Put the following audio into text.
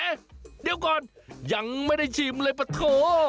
เดี๋ยวก่อนยังไม่ได้ชิมเลยปะโถ